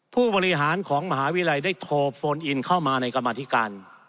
ผู้บริหารของมหาวิทยาลัยได้โทรโฟนอินเข้ามาในกรรมธิการ